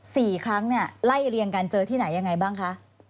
สี่ครั้งเนี่ยไล่เรียงกันเจอที่ไหนยังไงบ้างคะ